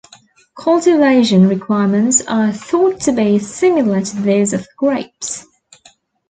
Cultivation requirements are thought to be similar to those of grapes.